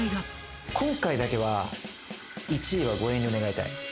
今回だけは、１位はご遠慮願いたい。